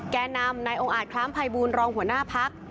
แก่นำนายองค์อาจคล้ามภัยบูรณรองหัวหน้าพัก